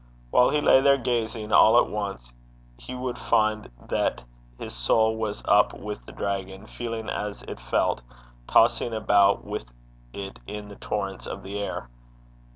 While he lay there gazing, all at once he would find that his soul was up with the dragon, feeling as it felt, tossing about with it in the torrents of the air.